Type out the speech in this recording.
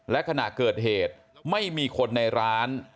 และขณะเกิดเหตุไม่มีคนในร้าน